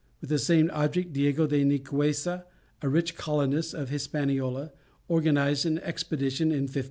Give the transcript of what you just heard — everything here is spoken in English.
With the same object Diego de Nicuessa, a rich colonist of Hispaniola, organized an expedition in 1509.